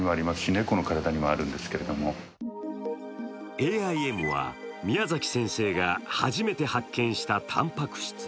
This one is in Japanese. ＡＩＭは宮崎先生が初めて発見したたんぱく質。